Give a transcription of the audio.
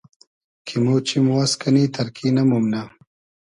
کی مۉ چیم واز کئنی تئرکی نئمومنۂ